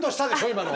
今の。